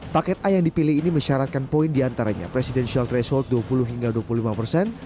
paket a yang dipilih ini mensyaratkan poin diantaranya presidential threshold dua puluh hingga dua puluh lima persen